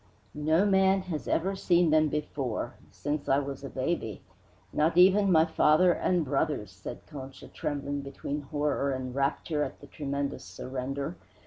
"No man has ever seen them before since I was a baby; not even my father and brothers," said Concha, trembling between horror and rapture at the tremendous surrender.